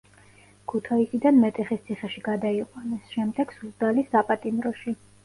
ქუთაისიდან მეტეხის ციხეში გადაიყვანეს, შემდეგ სუზდალის საპატიმროში.